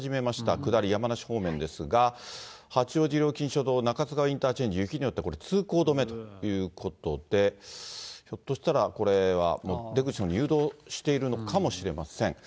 下り、山梨方面ですが、八王子料金所と中津川インターチェンジ、雪によってこれ、通行止めということで、ひょっとしたら、これは出口に誘導しているのかもしれません。